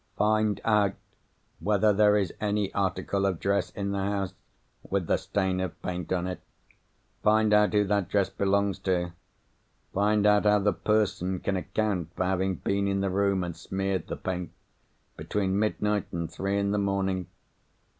"Find out whether there is any article of dress in this house with the stain of paint on it. Find out who that dress belongs to. Find out how the person can account for having been in the room, and smeared the paint between midnight and three in the morning.